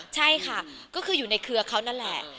ใช่ค่ะก็คืออยู่ในเครือเขานั่นแหละ